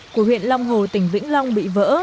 của huyện long hồ tỉnh vĩnh long bị vỡ